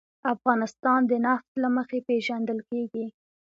افغانستان د نفت له مخې پېژندل کېږي.